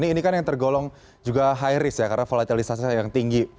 ini kan yang tergolong juga high risk ya karena volatilisasi yang tinggi